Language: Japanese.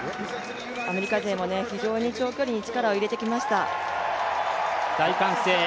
アメリカ勢も非常に長距離に力を入れてきました。